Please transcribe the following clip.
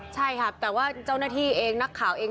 ใช่ค่ะแต่ว่าเจ้าหน้าที่เองนักข่าวเอง